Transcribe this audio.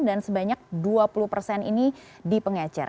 dan sebanyak dua puluh ini di pengecer